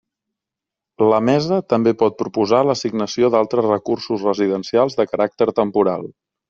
La Mesa també pot proposar l'assignació d'altres recursos residencials de caràcter temporal.